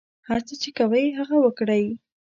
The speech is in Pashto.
هر څه چې کوئ هغه وکړئ.